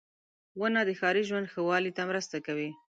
• ونه د ښاري ژوند ښه والي ته مرسته کوي.